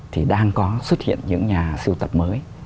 thì đang có xuất hiện những nhà siêu tập mới